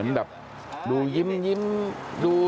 กลับไปลองกลับ